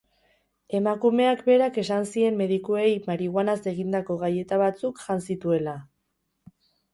Emakumeak berak esan zien medikuei marihuanaz egindako gaileta batzuk jan zituela.